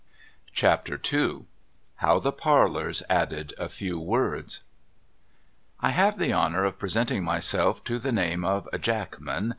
CHAPTER II How THE PARLOURS ADDED A FEW WORDS 1 HAVE the honour of presenting myself by the name of Jackman.